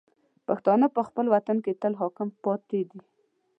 پښتانه په خپل وطن کې تل حاکم پاتې دي.